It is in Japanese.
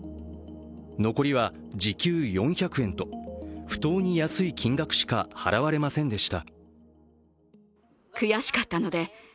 残りは時給４００円と不当に安い金額しか払われませんでした。